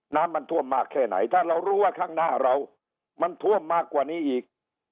น้ำมันท่วมมากแค่ไหนถ้าเรารู้ว่าข้างหน้าเรามันท่วมมากกว่านี้อีก